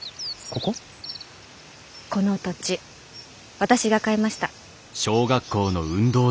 この土地私が買いました。